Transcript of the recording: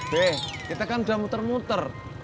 be kita kan udah muter muter